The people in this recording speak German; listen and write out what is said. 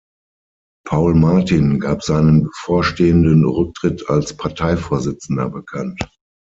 Paul Martin gab seinen bevorstehenden Rücktritt als Parteivorsitzender bekannt.